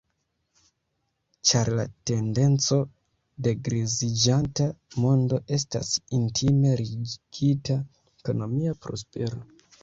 Ĉar la tendenco de griziĝanta mondo estas intime ligita al ekonomia prospero.